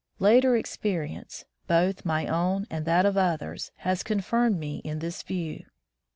Later experience, both my own and that of others, has confirmed me in this view.